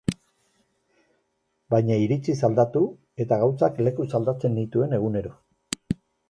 Baina iritziz aldatu eta gauzak lekuz aldatzen nituen egunero.